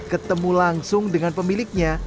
ketemu langsung dengan pemiliknya